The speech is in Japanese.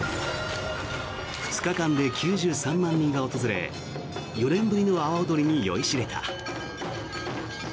２日間で９３万人が訪れ４年ぶりの阿波おどりに酔いしれた。